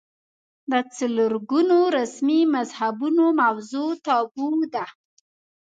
د څلور ګونو رسمي مذهبونو موضوع تابو ده